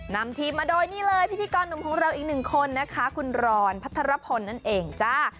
นำทีมมาโดยนี่เลยพิธีกรหนุ่มของเราอีกหนึ่งคนนะคะคุณรอนพัทรพลนั่นเองจ้า